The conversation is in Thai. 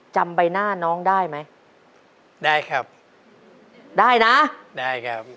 จำใบหน้าน้องได้ไหมได้ครับได้นะได้ครับ